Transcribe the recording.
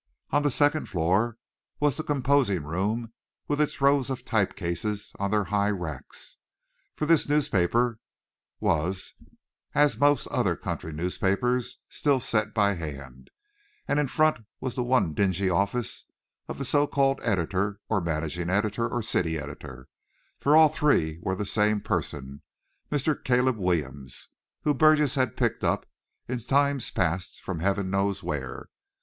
On the second floor was the composing room with its rows of type cases on their high racks for this newspaper was, like most other country newspapers, still set by hand; and in front was the one dingy office of the so called editor, or managing editor, or city editor for all three were the same person, a Mr. Caleb Williams whom Burgess had picked up in times past from heaven knows where.